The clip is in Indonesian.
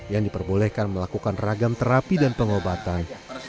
yang diperbolehkan melakukan ragam terapi dan pengobatan